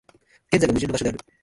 現在が矛盾の場所である。